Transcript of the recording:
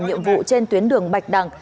nhiệm vụ trên tuyến đường bạch đằng